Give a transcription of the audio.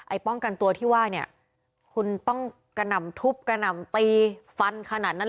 ป้องกันตัวที่ว่าเนี่ยคุณต้องกระหน่ำทุบกระหน่ำตีฟันขนาดนั้นเห